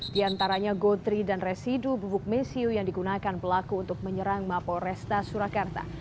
di antaranya gotri dan residu bubuk mesiu yang digunakan pelaku untuk menyerang mapol resta surakarta